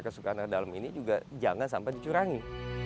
hak dari masyarakat suku anak dalam ini juga jangan sampai dicurangi